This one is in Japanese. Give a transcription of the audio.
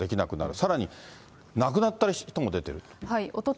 さらに亡くなってる人も出ていると。